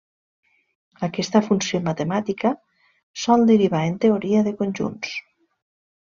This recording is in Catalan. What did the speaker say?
Aquesta funció matemàtica sol derivar en teoria de conjunts.